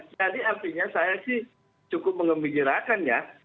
jadi artinya saya sih cukup mengembirakan ya